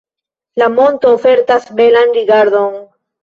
La monto ofertas belan rigardon.